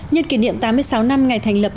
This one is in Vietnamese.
nhân kỷ niệm tám mươi sáu năm ngày thành lập